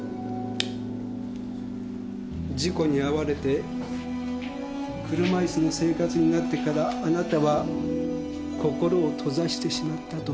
「事故に遭われて車椅子の生活になってからあなたは心を閉ざしてしまった」と。